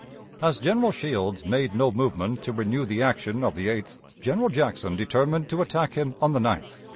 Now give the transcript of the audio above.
As General Shields made no movement to renew the action of the 8th, General Jackson determined to attack him on the 9th.